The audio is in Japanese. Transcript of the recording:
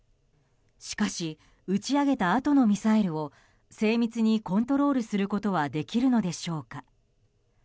しかし、打ち上げたあとのミサイルを精密にコントロールすることはできるのでしょうか。